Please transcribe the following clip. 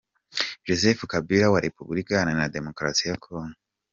Joseph Kabila wa Repubulika iharanira Demokarasi ya Congo